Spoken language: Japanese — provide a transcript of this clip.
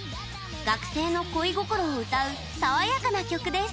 学生の恋心を歌う爽やかな曲です。